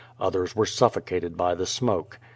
Others were suffocated by the smoke.